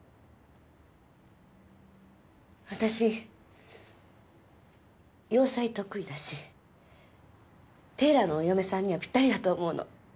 私洋裁得意だしテーラーのお嫁さんにはピッタリだと思うの。